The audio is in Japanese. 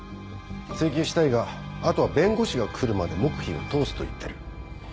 追及したいがあとは弁護士が来るまで黙秘を通すと言ってる。